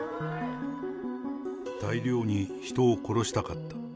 大量に人を殺したかった。